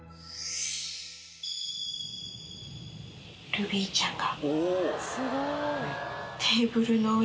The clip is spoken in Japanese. ルビーちゃんが。